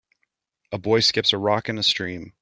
A boy skips a rock in a stream.